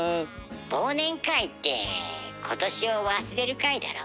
忘年会って今年を忘れる会だろ？